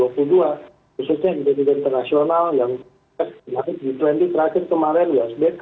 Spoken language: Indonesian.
khususnya kejahatan internasional yang terakhir kemarin di asbk